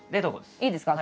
いいですか？